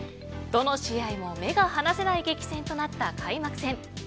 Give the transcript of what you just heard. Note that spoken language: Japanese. どの試合も目が離せない激戦となった開幕戦。